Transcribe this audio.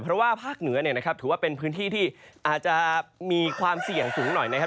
เพราะว่าภาคเหนือเนี่ยนะครับถือว่าเป็นพื้นที่ที่อาจจะมีความเสี่ยงสูงหน่อยนะครับ